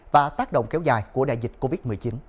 và tác động kéo dài của đại dịch covid một mươi chín